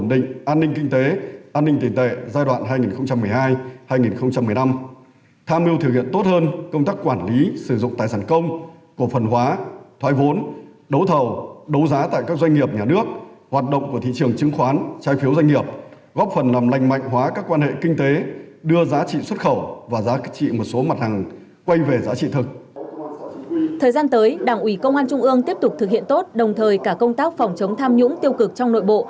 thời gian tới đảng ủy công an trung ương tiếp tục thực hiện tốt đồng thời cả công tác phòng chống tham nhũng tiêu cực trong nội bộ